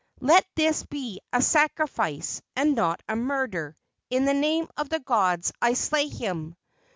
Let this be a sacrifice, and not a murder! In the name of the gods I slay him!"